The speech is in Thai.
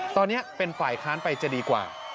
ตอนนี้เป็นฝ่ายค้านไปจะดีกว่า